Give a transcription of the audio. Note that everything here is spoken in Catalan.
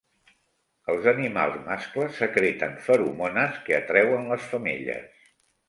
Els animals mascles secreten feromones que atreuen les femelles.